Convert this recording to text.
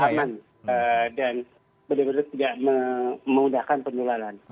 aman dan benar benar tidak memudahkan penularan